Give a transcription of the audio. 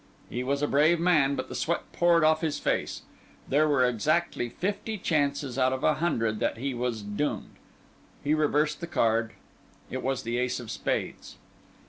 He was a brave man, but the sweat poured off his face. There were exactly fifty chances out of a hundred that he was doomed. He reversed the card; it was the ace of spades.